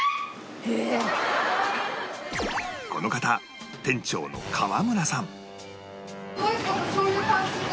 この方店長の川村さん